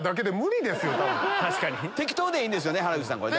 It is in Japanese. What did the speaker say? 適当でいいんですよね原口さん。